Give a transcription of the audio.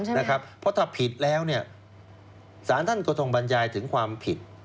เพราะถ้าผิดแล้วเนี่ยสารท่านก็ต้องบรรยายถึงความผิด